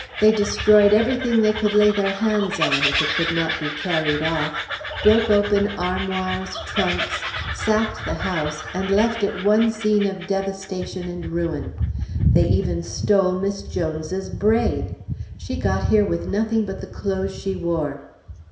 They destroyed everything they could lay their hands on, if it could not be carried off; broke open armoirs, trunks, sacked the house, and left it one scene of devastation and ruin. They even stole Miss Jones's braid! She got here with nothing but the clothes she wore.